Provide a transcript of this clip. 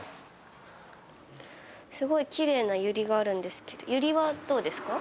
すごいきれいなユリがあるんですけどユリはどうですか？